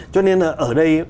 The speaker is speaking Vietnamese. cho nên ở đây